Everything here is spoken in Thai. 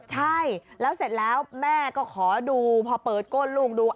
ใช่แล้วเสร็จแล้วแม่ก็ขอดูพอเปิดก้นลูกดู